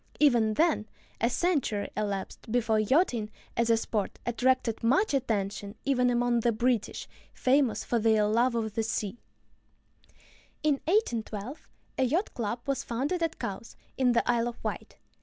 Even then, a century elapsed before yachting as a sport attracted much attention even among the British, famous for their love of the sea. In 1812 a "yacht club" was founded at Cowes, in the Isle of Wight.